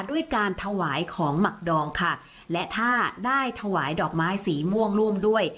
ด้วยการถวายของหมักดองค่ะและถ้าได้ถวายดอกไม้สีม่วงร่วมด้วย